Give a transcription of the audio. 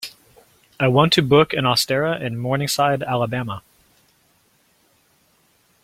I want to book an osteria in Morningside Alabama.